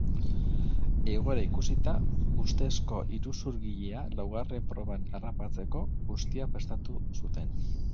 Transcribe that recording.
Egoera ikusita, ustezko iruzurgilea laugarren proban harrapatzeko guztia prestatu zuten.